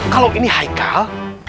kalau ini haikal